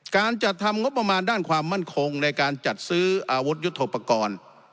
การจัดทำงบประมาณด้านความมั่นคงในการจัดซื้ออาวุธยุทธโปรกรณ์